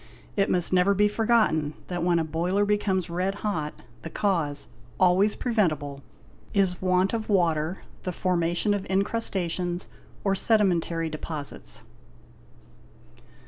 It must never be forgotten that, when a boiler becomes red hot, the cause—always preventible—is want of water, the formation of incrusta tions, or sedimentary deposits.